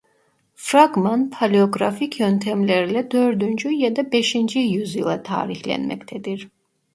Fragman paleografik yöntemlerle dördüncü ya da beşinci yüzyıla tarihlenmektedir.